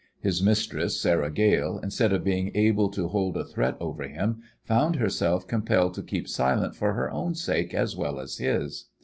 His mistress, Sarah Gale, instead of being able to hold a threat over him, found herself compelled to keep silent for her own sake as well as his.